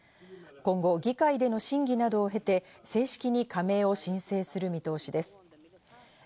今後、議会での審議などを経て、正式に加盟を申請する見通しです。